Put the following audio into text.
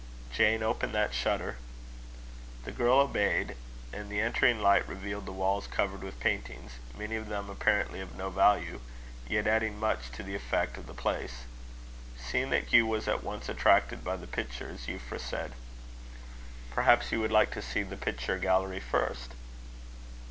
"Jane, open that shutter." The girl obeyed; and the entering light revealed the walls covered with paintings, many of them apparently of no value, yet adding much to the effect of the place. Seeing that Hugh was at once attracted by the pictures, Euphra said: "Perhaps you would like to see the picture gallery first?"